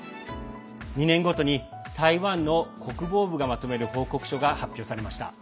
２年ごとに台湾の国防部がまとめる報告書が発表されました。